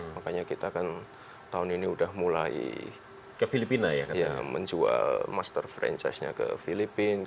makanya kita kan tahun ini sudah mulai menjual master franchise nya ke filipina